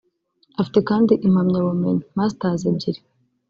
Afite kandi impamyabumenyi (masters) ebyiri